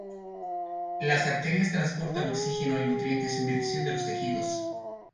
Las arterias transportan oxígeno y nutrientes en dirección de los tejidos.